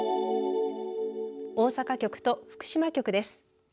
大阪局と福島局です。